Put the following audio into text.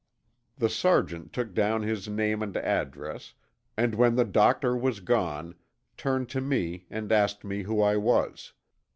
The Sergeant took down his name and address, and, when the doctor was gone, turned to me and asked me who I was.